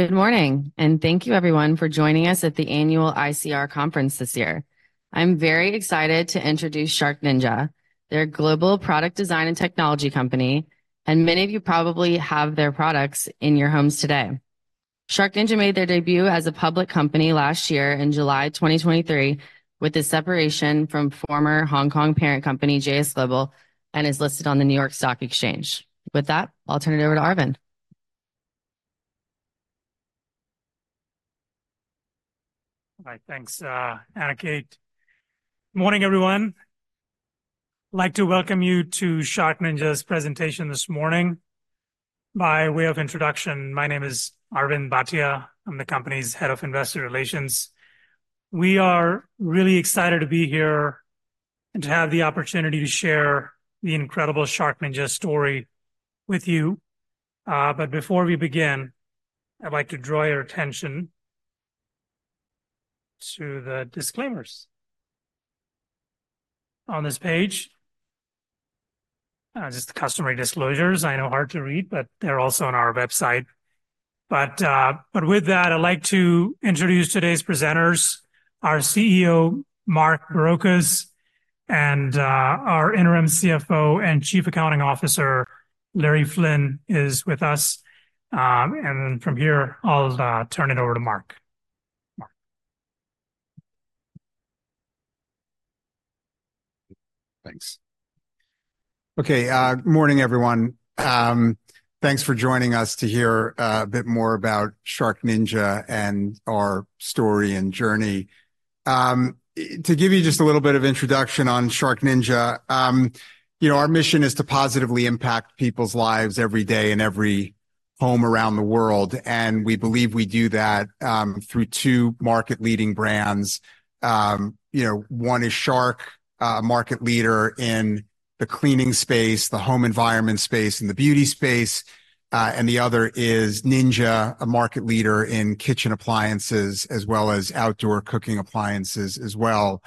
Good morning, and thank you everyone for joining us at the annual ICR Conference this year. I'm very excited to introduce SharkNinja. They're a global product design and technology company, and many of you probably have their products in your homes today. SharkNinja made their debut as a public company last year in July 2023, with the separation from former Hong Kong parent company, JS Global, and is listed on the New York Stock Exchange. With that, I'll turn it over to Arvind. All right, thanks, Anna Kate. Morning, everyone. I'd like to welcome you to SharkNinja's presentation this morning. By way of introduction, my name is Arvind Bhatia. I'm the company's head of investor relations. We are really excited to be here and to have the opportunity to share the incredible SharkNinja story with you. Before we begin, I'd like to draw your attention to the disclaimers on this page. Just the customary disclosures. I know, hard to read, but they're also on our website. But with that, I'd like to introduce today's presenters, our CEO, Mark Barrocas, and our interim CFO and Chief Accounting Officer, Larry Flynn, is with us. Then from here, I'll turn it over to Mark. Mark? Thanks. Okay, morning, everyone. Thanks for joining us to hear a bit more about SharkNinja and our story and journey. To give you just a little bit of introduction on SharkNinja, you know, our mission is to positively impact people's lives every day in every home around the world, and we believe we do that through two market-leading brands. You know, one is Shark, a market leader in the cleaning space, the home environment space, and the beauty space, and the other is Ninja, a market leader in kitchen appliances, as well as outdoor cooking appliances as well.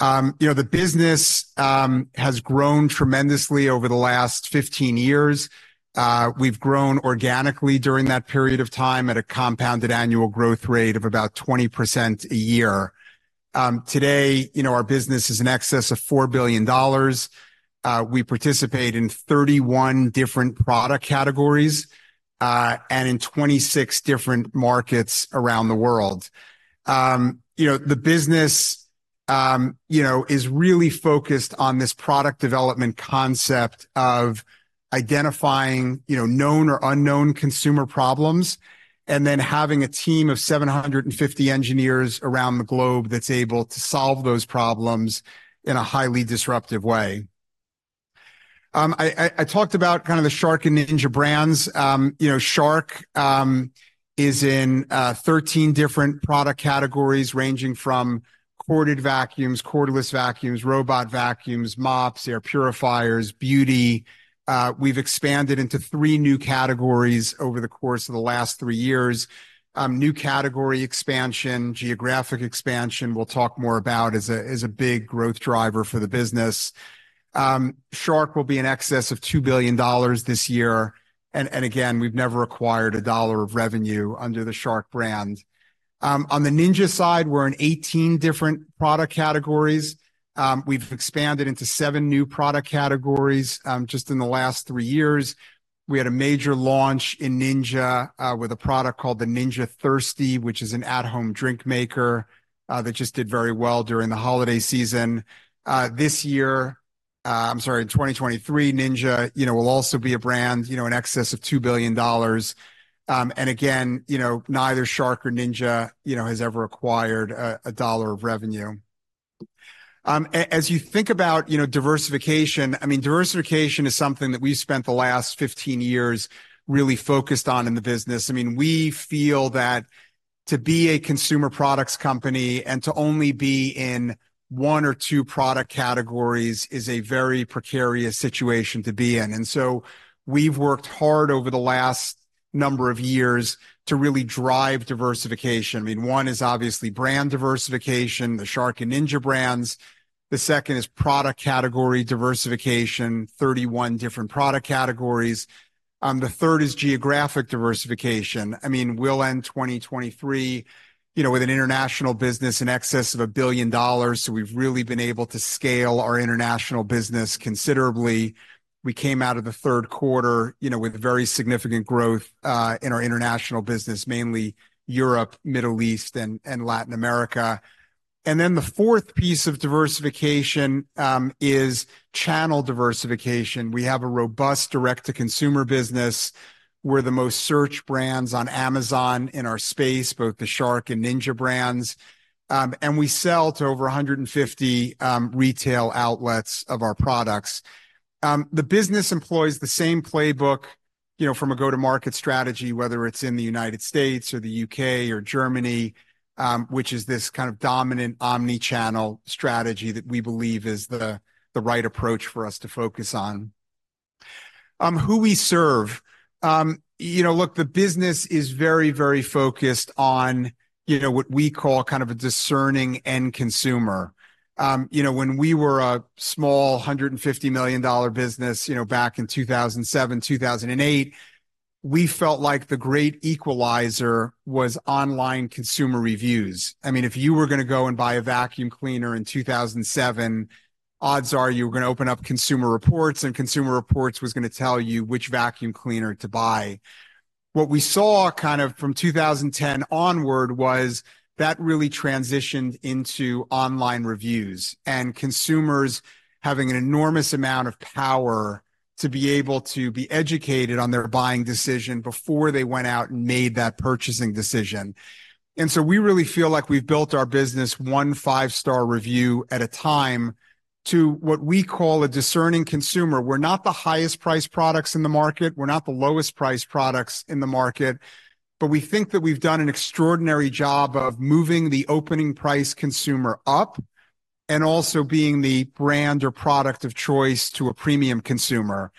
You know, the business has grown tremendously over the last 15 years. We've grown organically during that period of time at a compounded annual growth rate of about 20% a year. Today, you know, our business is in excess of $4 billion. We participate in 31 different product categories, and in 26 different markets around the world. You know, the business, you know, is really focused on this product development concept of identifying, you know, known or unknown consumer problems, and then having a team of 750 engineers around the globe that's able to solve those problems in a highly disruptive way. I talked about kind of the Shark and Ninja brands. You know, Shark is in 13 different product categories, ranging from corded vacuums, cordless vacuums, robot vacuums, mops, air purifiers, beauty. We've expanded into three new categories over the course of the last three years. New category expansion, geographic expansion, we'll talk more about as a big growth driver for the business. Shark will be in excess of $2 billion this year, and again, we've never acquired a dollar of revenue under the Shark brand. On the Ninja side, we're in 18 different product categories. We've expanded into seven new product categories just in the last three years. We had a major launch in Ninja with a product called the Ninja Thirsti, which is an at-home drink maker that just did very well during the holiday season. This year... I'm sorry, in 2023, Ninja, you know, will also be a brand, you know, in excess of $2 billion. And again, you know, neither Shark or Ninja, you know, has ever acquired a dollar of revenue. As you think about, you know, diversification, I mean, diversification is something that we've spent the last 15 years really focused on in the business. I mean, we feel that to be a consumer products company and to only be in one or two product categories is a very precarious situation to be in, and so we've worked hard over the last number of years to really drive diversification. I mean, one is obviously brand diversification, the Shark and Ninja brands. The second is product category diversification, 31 different product categories. The third is geographic diversification. I mean, we'll end 2023, you know, with an international business in excess of $1 billion, so we've really been able to scale our international business considerably. We came out of the third quarter, you know, with very significant growth in our international business, mainly Europe, Middle East, and Latin America. The fourth piece of diversification is channel diversification. We have a robust direct-to-consumer business. We're the most searched brands on Amazon in our space, both the Shark and Ninja brands, and we sell to over 150 retail outlets of our products. The business employs the same playbook, you know, from a go-to-market strategy, whether it's in the United States or the U.K. or Germany, which is this kind of dominant omni-channel strategy that we believe is the right approach for us to focus on. Who we serve? You know, look, the business is very, very focused on, you know, what we call kind of a discerning end consumer. You know, when we were a small $150 million business, you know, back in 2007, 2008, we felt like the great equalizer was online consumer reviews. I mean, if you were gonna go and buy a vacuum cleaner in 2007, odds are you were gonna open up Consumer Reports, and Consumer Reports was gonna tell you which vacuum cleaner to buy. What we saw kind of from 2010 onward was that really transitioned into online reviews, and consumers having an enormous amount of power to be able to be educated on their buying decision before they went out and made that purchasing decision. And so we really feel like we've built our business one five-star review at a time, to what we call a discerning consumer. We're not the highest priced products in the market, we're not the lowest priced products in the market, but we think that we've done an extraordinary job of moving the opening price consumer up, and also being the brand or product of choice to a premium consumer.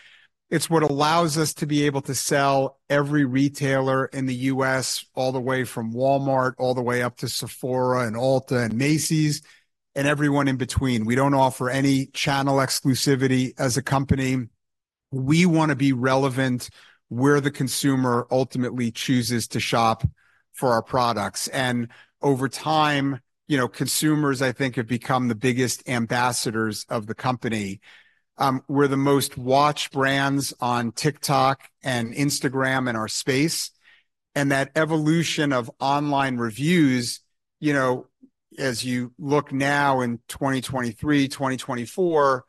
It's what allows us to be able to sell every retailer in the U.S., all the way from Walmart, all the way up to Sephora, and Ulta, and Macy's, and everyone in between. We don't offer any channel exclusivity as a company. We wanna be relevant where the consumer ultimately chooses to shop for our products. And over time, you know, consumers, I think, have become the biggest ambassadors of the company. We're the most watched brands on TikTok and Instagram in our space, and that evolution of online reviews, you know, as you look now in 2023, 2024, you know,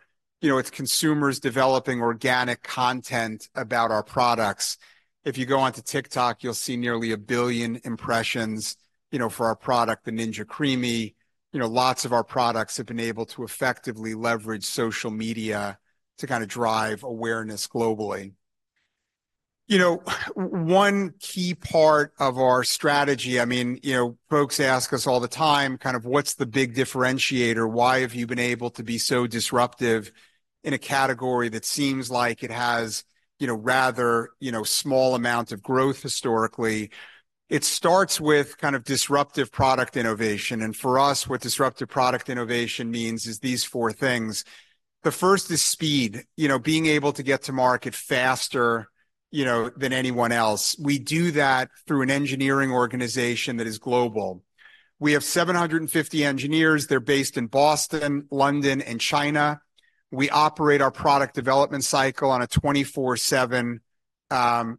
it's consumers developing organic content about our products. If you go onto TikTok, you'll see nearly a billion impressions, you know, for our product, the Ninja CREAMi. You know, lots of our products have been able to effectively leverage social media to kinda drive awareness globally. You know, one key part of our strategy, I mean, you know, folks ask us all the time, kind of, "What's the big differentiator? Why have you been able to be so disruptive in a category that seems like it has, you know, rather, you know, small amounts of growth historically?" It starts with kind of disruptive product innovation, and for us, what disruptive product innovation means is these four things. The first is speed. You know, being able to get to market faster, you know, than anyone else. We do that through an engineering organization that is global. We have 750 engineers. They're based in Boston, London, and China. We operate our product development cycle on a 24/7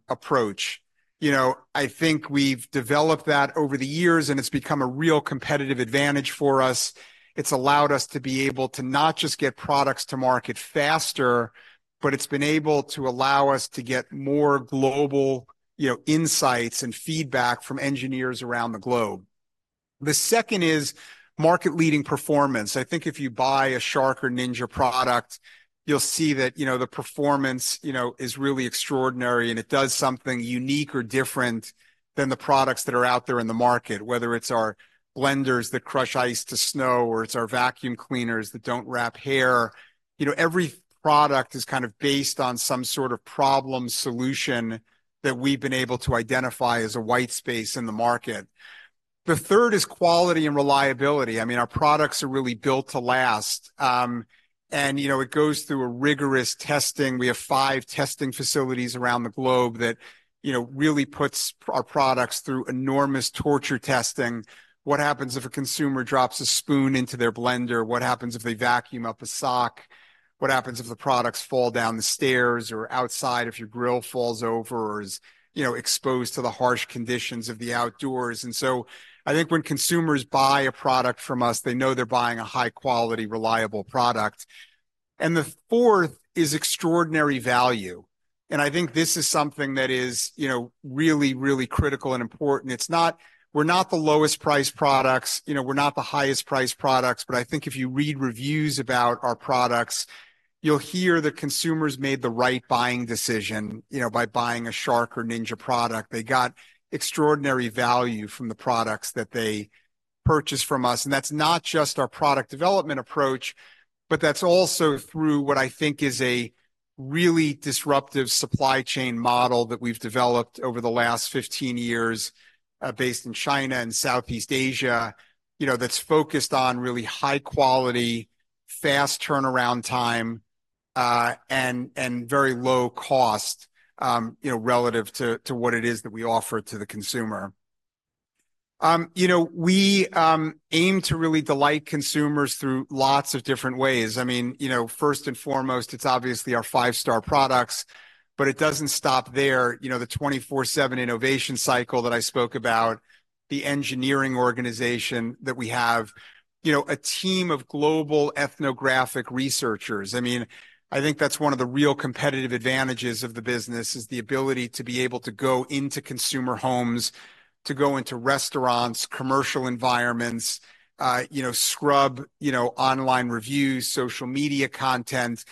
approach. You know, I think we've developed that over the years, and it's become a real competitive advantage for us. It's allowed us to be able to not just get products to market faster, but it's been able to allow us to get more global, you know, insights and feedback from engineers around the globe. The second is market-leading performance. I think if you buy a Shark or Ninja product, you'll see that, you know, the performance, you know, is really extraordinary, and it does something unique or different than the products that are out there in the market. Whether it's our blenders that crush ice to snow, or it's our vacuum cleaners that don't wrap hair, you know, every product is kind of based on some sort of problem solution that we've been able to identify as a white space in the market. The third is quality and reliability. I mean, our products are really built to last. And, you know, it goes through a rigorous testing. We have 5 testing facilities around the globe that, you know, really puts our products through enormous torture testing. What happens if a consumer drops a spoon into their blender? What happens if they vacuum up a sock? What happens if the products fall down the stairs or outside, if your grill falls over or is, you know, exposed to the harsh conditions of the outdoors? And so, I think when consumers buy a product from us, they know they're buying a high-quality, reliable product. And the fourth is extraordinary value, and I think this is something that is, you know, really, really critical and important. It's not... We're not the lowest priced products, you know, we're not the highest priced products, but I think if you read reviews about our products, you'll hear that consumers made the right buying decision, you know, by buying a Shark or Ninja product. They got extraordinary value from the products that they purchased from us. That's not just our product development approach, but that's also through what I think is a really disruptive supply chain model that we've developed over the last 15 years, based in China and Southeast Asia, you know, that's focused on really high quality, fast turnaround time, and very low cost, you know, relative to what it is that we offer to the consumer. You know, we aim to really delight consumers through lots of different ways. I mean, you know, first and foremost, it's obviously our five-star products, but it doesn't stop there. You know, the 24/7 innovation cycle that I spoke about, the engineering organization that we have, you know, a team of global ethnographic researchers. I mean, I think that's one of the real competitive advantages of the business, is the ability to be able to go into consumer homes, to go into restaurants, commercial environments, you know, scrub, you know, online reviews, social media content,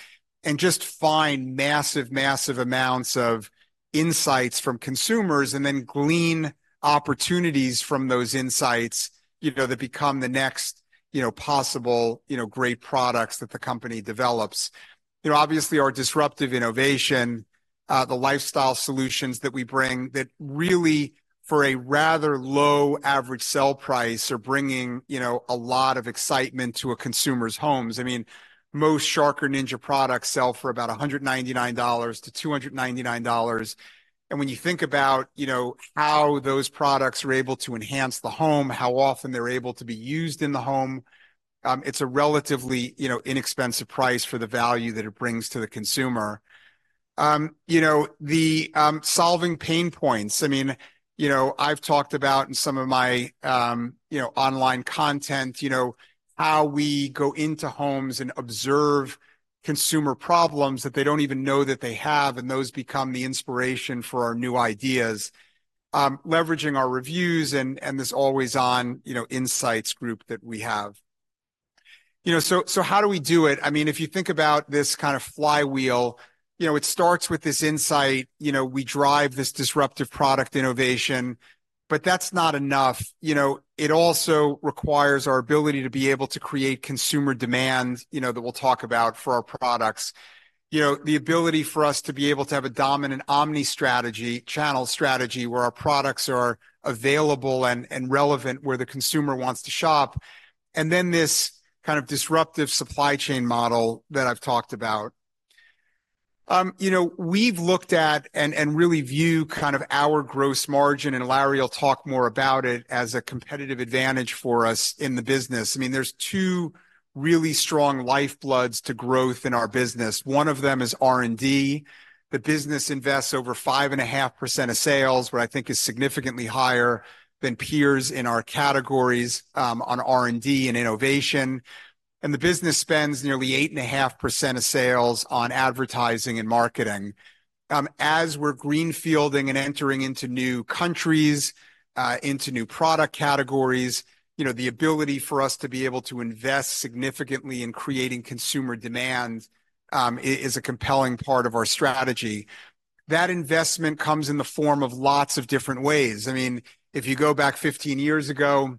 and just find massive, massive amounts of insights from consumers, and then glean opportunities from those insights, you know, that become the next, you know, possible, you know, great products that the company develops. You know, obviously, the lifestyle solutions that we bring, that really for a rather low average sale price, are bringing, you know, a lot of excitement to a consumer's homes. I mean, most Shark or Ninja products sell for about $199-$299. When you think about, you know, how those products are able to enhance the home, how often they're able to be used in the home, it's a relatively, you know, inexpensive price for the value that it brings to the consumer. You know, the solving pain points, I mean, you know, I've talked about in some of my, you know, online content, you know, how we go into homes and observe consumer problems that they don't even know that they have, and those become the inspiration for our new ideas. Leveraging our reviews and this always-on, you know, insights group that we have. You know, so how do we do it? I mean, if you think about this kind of flywheel, you know, it starts with this insight. You know, we drive this disruptive product innovation, but that's not enough. You know, it also requires our ability to be able to create consumer demand, you know, that we'll talk about for our products. You know, the ability for us to be able to have a dominant omni-channel strategy, where our products are available and relevant where the consumer wants to shop, and then this kind of disruptive supply chain model that I've talked about. You know, we've looked at and really view kind of our gross margin, and Larry will talk more about it, as a competitive advantage for us in the business. I mean, there's two really strong lifebloods to growth in our business. One of them is R&D. The business invests over 5.5% of sales, what I think is significantly higher than peers in our categories, on R&D and innovation. The business spends nearly 8.5% of sales on advertising and marketing. As we're greenfielding and entering into new countries, into new product categories, you know, the ability for us to be able to invest significantly in creating consumer demand, is a compelling part of our strategy. That investment comes in the form of lots of different ways. I mean, if you go back 15 years ago,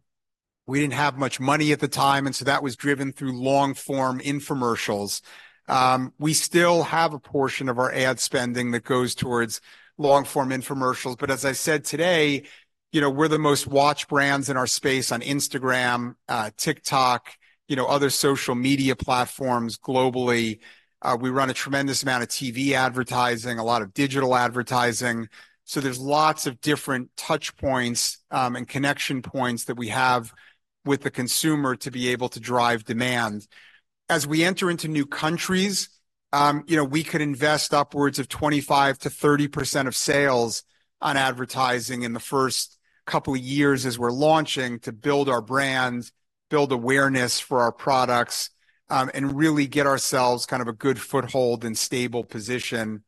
we didn't have much money at the time, and so that was driven through long-form infomercials. We still have a portion of our ad spending that goes towards long-form infomercials, but as I said today, you know, we're the most watched brands in our space on Instagram, TikTok, you know, other social media platforms globally. We run a tremendous amount of TV advertising, a lot of digital advertising. So there's lots of different touch points, and connection points that we have with the consumer to be able to drive demand. As we enter into new countries, you know, we could invest upwards of 25%-30% of sales on advertising in the first couple of years as we're launching, to build our brand, build awareness for our products, and really get ourselves kind of a good foothold and stable position,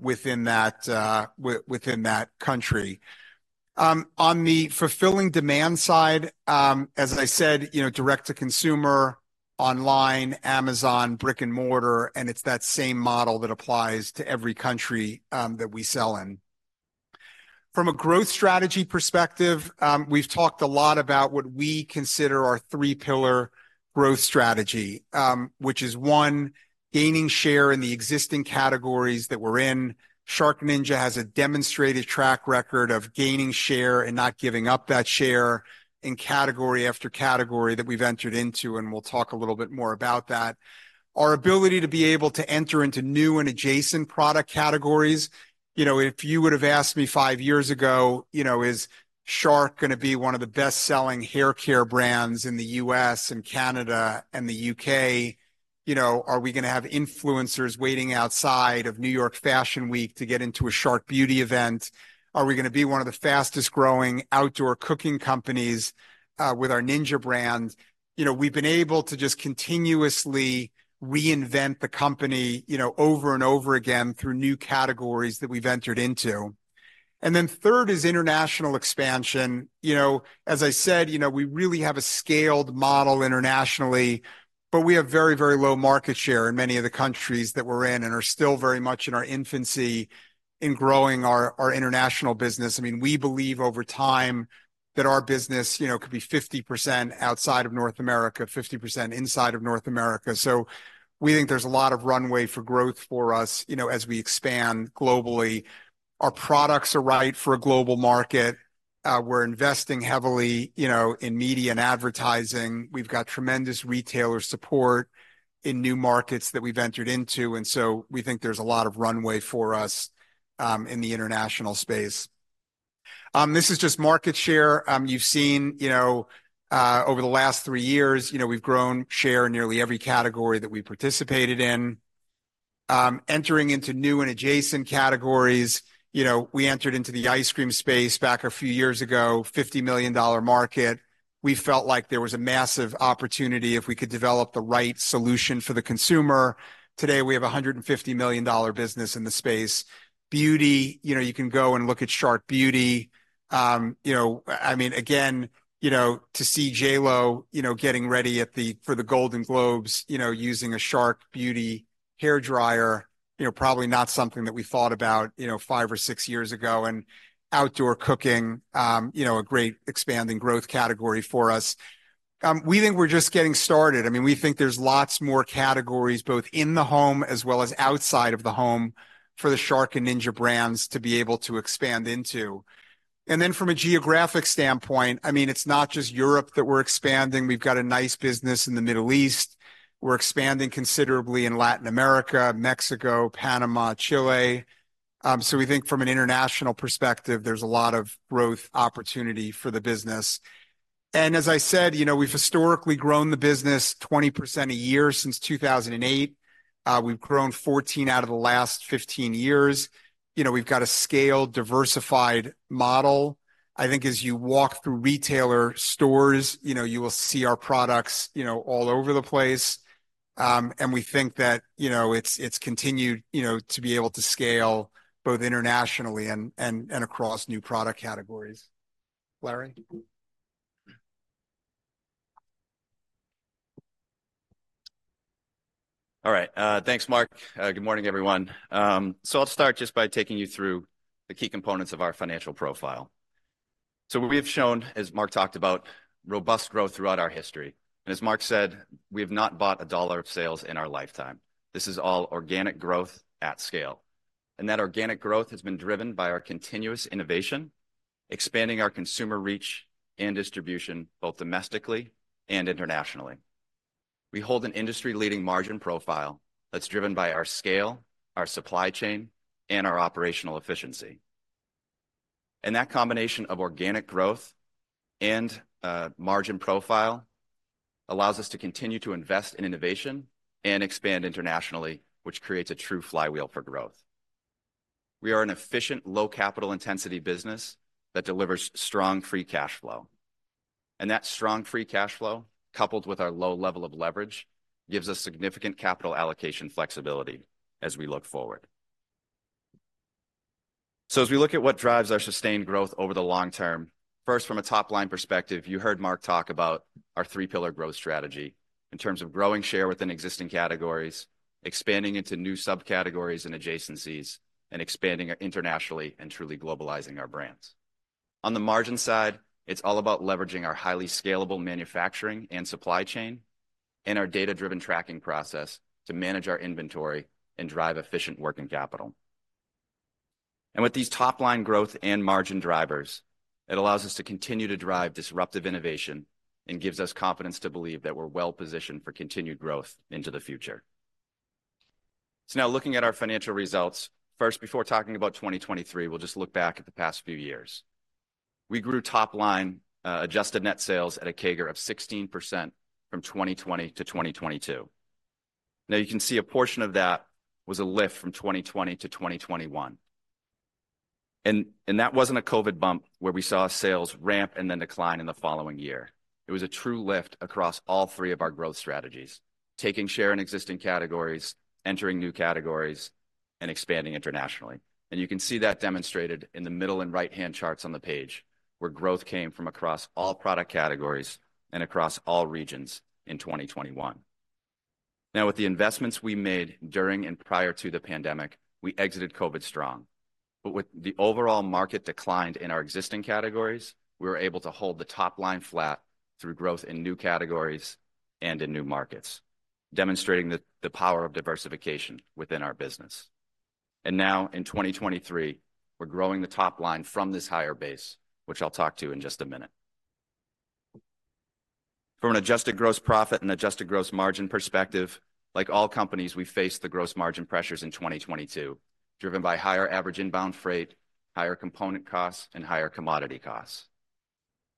within that country. On the fulfilling demand side, as I said, you know, direct to consumer, online, Amazon, brick-and-mortar, and it's that same model that applies to every country that we sell in. From a growth strategy perspective, we've talked a lot about what we consider our three-pillar growth strategy. Which is, one, gaining share in the existing categories that we're in. SharkNinja has a demonstrated track record of gaining share and not giving up that share in category after category that we've entered into, and we'll talk a little bit more about that. Our ability to be able to enter into new and adjacent product categories... You know, if you would have asked me five years ago, you know, "Is Shark gonna be one of the best-selling haircare brands in the U.S. and Canada and the U.K.?" You know, "Are we gonna have influencers waiting outside of New York Fashion Week to get into a Shark Beauty event? Are we gonna be one of the fastest-growing outdoor cooking companies, with our Ninja brand?" You know, we've been able to just continuously reinvent the company, you know, over and over again through new categories that we've entered into. And then third is international expansion. You know, as I said, you know, we really have a scaled model internationally, but we have very, very low market share in many of the countries that we're in and are still very much in our infancy in growing our, our international business. I mean, we believe over time that our business, you know, could be 50% outside of North America, 50% inside of North America. So we think there's a lot of runway for growth for us, you know, as we expand globally. Our products are right for a global market. We're investing heavily, you know, in media and advertising. We've got tremendous retailer support in new markets that we've entered into, and so we think there's a lot of runway for us in the international space. This is just market share. You've seen, you know, over the last three years, you know, we've grown share in nearly every category that we participated in. Entering into new and adjacent categories, you know, we entered into the ice cream space back a few years ago, $50 million market. We felt like there was a massive opportunity if we could develop the right solution for the consumer. Today, we have a $150 million business in the space. Beauty, you know, you can go and look at Shark Beauty. You know, I mean, again, you know, to see J.Lo, you know, getting ready at the... for the Golden Globes, you know, using a Shark Beauty hairdryer, you know, probably not something that we thought about, you know, five or six years ago. And outdoor cooking, you know, a great expanding growth category for us. We think we're just getting started. I mean, we think there's lots more categories, both in the home as well as outside of the home, for the Shark and Ninja brands to be able to expand into. And then from a geographic standpoint, I mean, it's not just Europe that we're expanding. We've got a nice business in the Middle East. We're expanding considerably in Latin America, Mexico, Panama, Chile. So we think from an international perspective, there's a lot of growth opportunity for the business. And as I said, you know, we've historically grown the business 20% a year since 2008. We've grown 14 out of the last 15 years. You know, we've got a scaled, diversified model. I think as you walk through retail stores, you know, you will see our products, you know, all over the place. And we think that, you know, it's continued, you know, to be able to scale both internationally and across new product categories. Larry? All right. Thanks, Mark. Good morning, everyone. So I'll start just by taking you through the key components of our financial profile. So we have shown, as Mark talked about, robust growth throughout our history, and as Mark said, we have not bought a dollar of sales in our lifetime. This is all organic growth at scale, and that organic growth has been driven by our continuous innovation, expanding our consumer reach and distribution, both domestically and internationally. We hold an industry-leading margin profile that's driven by our scale, our supply chain, and our operational efficiency. That combination of organic growth and margin profile allows us to continue to invest in innovation and expand internationally, which creates a true flywheel for growth. We are an efficient, low capital intensity business that delivers strong free cash flow, and that strong free cash flow, coupled with our low level of leverage, gives us significant capital allocation flexibility as we look forward. So as we look at what drives our sustained growth over the long term, first, from a top-line perspective, you heard Mark talk about our three-pillar growth strategy in terms of growing share within existing categories, expanding into new subcategories and adjacencies, and expanding internationally and truly globalizing our brands. On the margin side, it's all about leveraging our highly scalable manufacturing and supply chain and our data-driven tracking process to manage our inventory and drive efficient working capital. And with these top-line growth and margin drivers, it allows us to continue to drive disruptive innovation and gives us confidence to believe that we're well-positioned for continued growth into the future. So now, looking at our financial results, first, before talking about 2023, we'll just look back at the past few years. We grew top line, adjusted net sales at a CAGR of 16% from 2020 to 2022. Now, you can see a portion of that was a lift from 2020 to 2021. And that wasn't a COVID bump, where we saw sales ramp and then decline in the following year. It was a true lift across all three of our growth strategies: taking share in existing categories, entering new categories, and expanding internationally. And you can see that demonstrated in the middle and right-hand charts on the page, where growth came from across all product categories and across all regions in 2021. Now, with the investments we made during and prior to the pandemic, we exited COVID strong. But with the overall market declined in our existing categories, we were able to hold the top line flat through growth in new categories and in new markets, demonstrating the power of diversification within our business. And now, in 2023, we're growing the top line from this higher base, which I'll talk to you in just a minute. From an adjusted gross profit and adjusted gross margin perspective, like all companies, we faced the gross margin pressures in 2022, driven by higher average inbound freight, higher component costs, and higher commodity costs.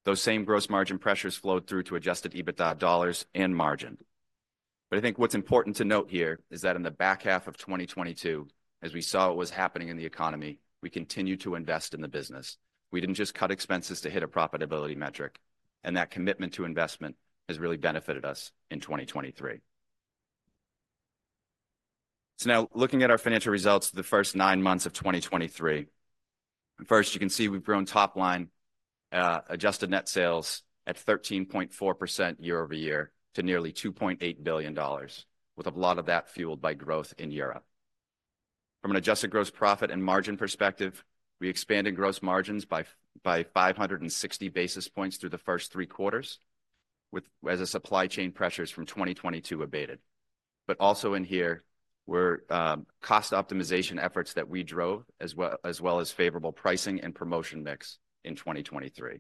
Those same gross margin pressures flowed through to adjusted EBITDA dollars and margin. But I think what's important to note here is that in the back half of 2022, as we saw what was happening in the economy, we continued to invest in the business. We didn't just cut expenses to hit a profitability metric, and that commitment to investment has really benefited us in 2023. So now, looking at our financial results for the first nine months of 2023, first, you can see we've grown top line, adjusted net sales at 13.4% year-over-year to nearly $2.8 billion, with a lot of that fueled by growth in Europe. From an adjusted gross profit and margin perspective, we expanded gross margins by 560 basis points through the first three quarters, with, as the supply chain pressures from 2022 abated. But also in here, were cost optimization efforts that we drove, as well, as well as favorable pricing and promotion mix in 2023.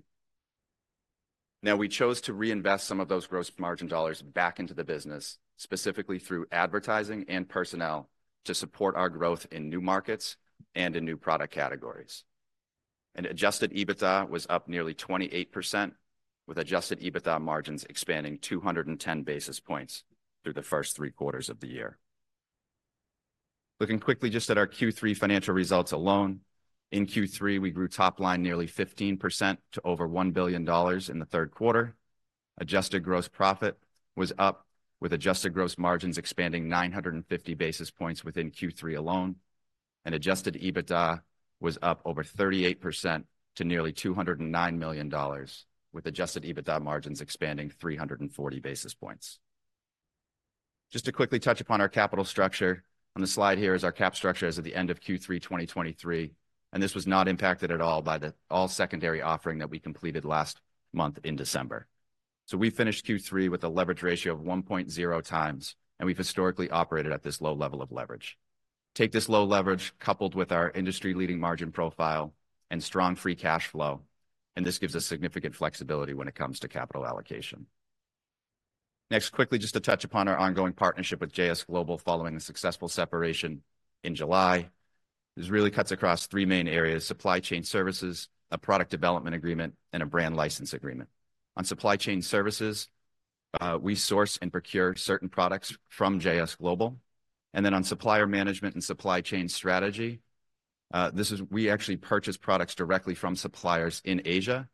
Now, we chose to reinvest some of those gross margin dollars back into the business, specifically through advertising and personnel, to support our growth in new markets and in new product categories. Adjusted EBITDA was up nearly 28%, with Adjusted EBITDA margins expanding 210 basis points through the first three quarters of the year. Looking quickly just at our Q3 financial results alone, in Q3, we grew top line nearly 15% to over $1 billion in the third quarter. Adjusted gross profit was up, with adjusted gross margins expanding 950 basis points within Q3 alone. Adjusted EBITDA was up over 38% to nearly $209 million, with Adjusted EBITDA margins expanding 340 basis points. Just to quickly touch upon our capital structure, on the slide here is our cap structure as of the end of Q3 2023, and this was not impacted at all by the all secondary offering that we completed last month in December. So we finished Q3 with a leverage ratio of 1.0 times, and we've historically operated at this low level of leverage. Take this low leverage, coupled with our industry-leading margin profile and strong free cash flow, and this gives us significant flexibility when it comes to capital allocation. Next, quickly just to touch upon our ongoing partnership with JS Global following the successful separation in July. This really cuts across three main areas: supply chain services, a product development agreement, and a brand license agreement. On supply chain services, we source and procure certain products from JS Global. On supplier management and supply chain strategy, we actually purchase products directly from suppliers in Asia,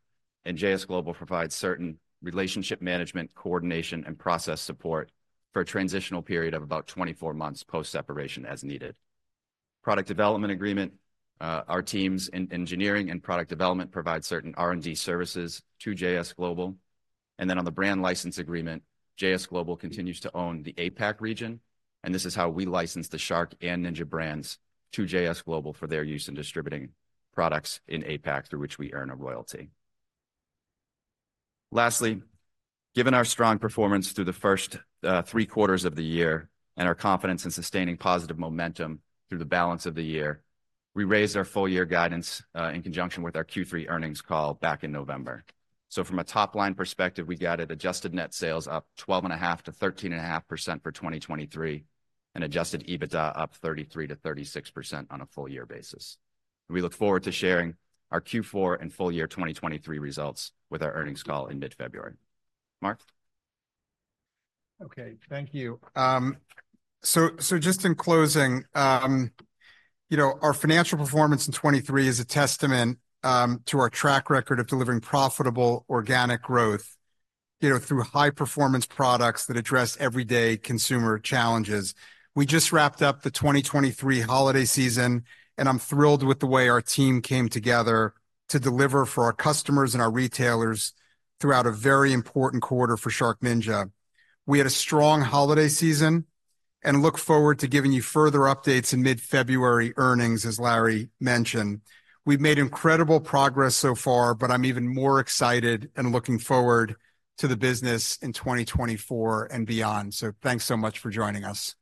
and JS Global provides certain relationship management, coordination, and process support for a transitional period of about 24 months post-separation as needed. Product development agreement, our teams in engineering and product development provide certain R&D services to JS Global. On the brand license agreement, JS Global continues to own the APAC region, and this is how we license the Shark and Ninja brands to JS Global for their use in distributing products in APAC, through which we earn a royalty. Lastly, given our strong performance through the first three quarters of the year and our confidence in sustaining positive momentum through the balance of the year, we raised our full-year guidance in conjunction with our Q3 earnings call back in November. From a top-line perspective, we guided adjusted net sales up 12.5%-13.5% for 2023, and adjusted EBITDA up 33%-36% on a full-year basis. We look forward to sharing our Q4 and full year 2023 results with our earnings call in mid-February. Mark? Okay, thank you. So just in closing, you know, our financial performance in 2023 is a testament to our track record of delivering profitable organic growth, you know, through high-performance products that address everyday consumer challenges. We just wrapped up the 2023 holiday season, and I'm thrilled with the way our team came together to deliver for our customers and our retailers throughout a very important quarter for SharkNinja. We had a strong holiday season and look forward to giving you further updates in mid-February earnings, as Larry mentioned. We've made incredible progress so far, but I'm even more excited and looking forward to the business in 2024 and beyond. So thanks so much for joining us.